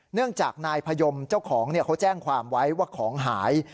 เนื่องจากนายพยมเจ้าของเขาแจ้งความไว้ว่าของหาย